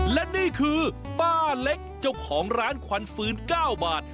และนี่คือป้าเล็กเจ้าของร้านควันฟื้น๙บาท